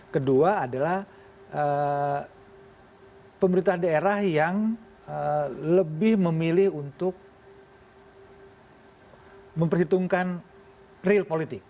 kedua adalah pemerintah daerah yang lebih memilih untuk memperhitungkan real politik